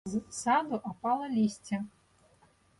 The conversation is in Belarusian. З саду апала лісце.